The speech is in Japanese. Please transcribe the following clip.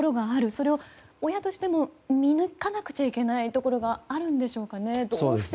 それを親としても見抜かなくちゃいけないところがあるんでしょうかね。